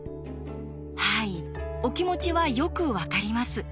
はいお気持ちはよく分かります。